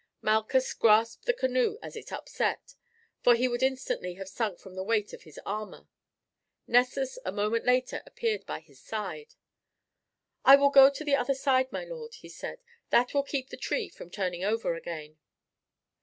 Malchus grasped the canoe as it upset, for he would instantly have sunk from the weight of his armour. Nessus a moment later appeared by his side. "I will go to the other side, my lord," he said, "that will keep the tree from turning over again."